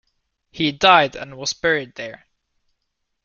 He died and was buried there.